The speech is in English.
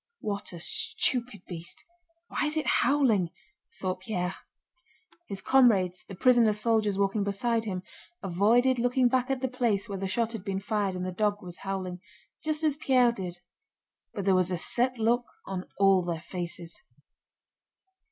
"What a stupid beast! Why is it howling?" thought Pierre. His comrades, the prisoner soldiers walking beside him, avoided looking back at the place where the shot had been fired and the dog was howling, just as Pierre did, but there was a set look on all their faces.